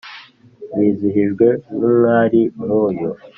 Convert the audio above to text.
nizihijwe n’umwali nkuyu